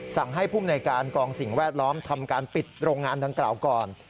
สั่งให้ภูมิในการกองสิ่งแวดล้อมทำการปิดโรงงานดังกล่าวก่อน